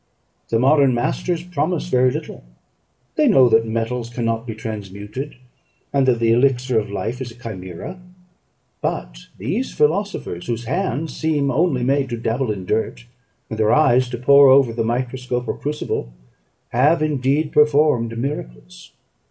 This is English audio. The modern masters promise very little; they know that metals cannot be transmuted, and that the elixir of life is a chimera. But these philosophers, whose hands seem only made to dabble in dirt, and their eyes to pore over the microscope or crucible, have indeed performed miracles.